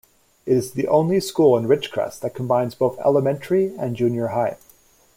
It is the only school in Ridgecrest that combines both elementary and junior high.